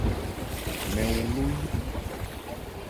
Mɛn wu ló yí.